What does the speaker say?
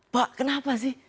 pak kenapa sih